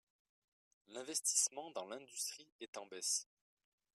L’investissement dans l’industrie est en baisse.